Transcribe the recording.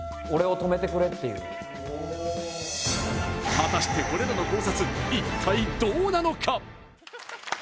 果たしてこれらの考察、一体どうなのか！？